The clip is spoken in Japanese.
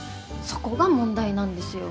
そこが問題なんですよ。